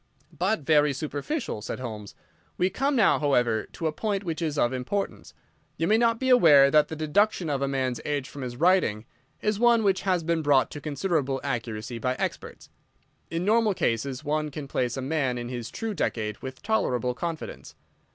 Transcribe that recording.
"But very superficial," said Holmes. "We come now, however, to a point which is of importance. You may not be aware that the deduction of a man's age from his writing is one which has been brought to considerable accuracy by experts. In normal cases one can place a man in his true decade with tolerable confidence.